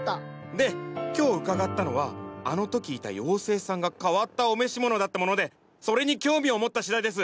で今日伺ったのはあの時いた妖精さんが変わったお召し物だったものでそれに興味を持ったしだいです。